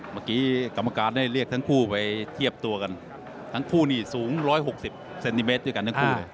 เมื่อกี้กรรมการได้เรียกทั้งคู่ไปเทียบตัวกันทั้งคู่นี่สูง๑๖๐เซนติเมตรด้วยกันทั้งคู่เลย